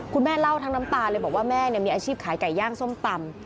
คุณแม่เล่าทั้งน้ำตาเลยบอกว่าแม่มีอาชีพขายไก่ย่างส้มตำ